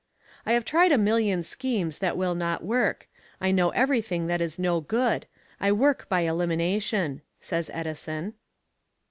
"I have tried a million schemes that will not work I know everything that is no good. I work by elimination," says Edison.